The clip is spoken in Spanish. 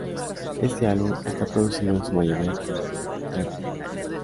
Este álbum está producido en su mayoría por Therapy.